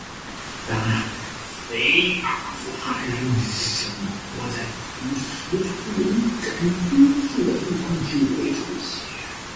当非阿富汗人生活在普什图人占多数的地方就会出现。